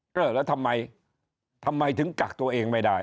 เออแล้วทำไมทำไมถึงกักตัวเองไม่ได้